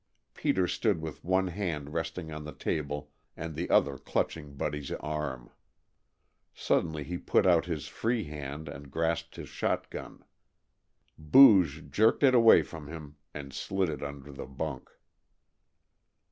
Peter stood with one hand resting on the table and the other clutching Buddy's arm. Suddenly he put out his free hand and grasped his shot gun. Booge jerked it away from him and slid it under the bunk.